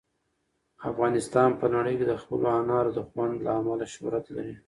افغانستان په نړۍ کې د خپلو انارو د خوند له امله شهرت لري.